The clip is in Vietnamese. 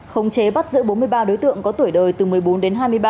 khống chế bắt giữ bốn mươi ba đối tượng có tuổi đời từ một mươi bốn đến hai mươi ba